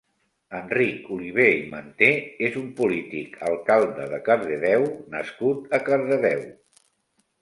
Enric Olivé i Manté és un polític Alcalde de Cardedeu nascut a Cardedeu.